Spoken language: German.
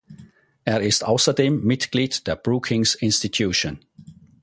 Er ist außerdem Mitglied der Brookings Institution.